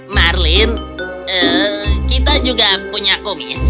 marlin kita juga punya kumis